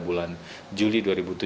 bulan juli dua ribu tujuh belas